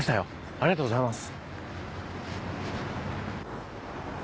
ありがとうございます。